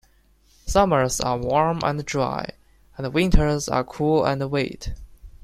Summers are warm and dry, and winters are cool and wet.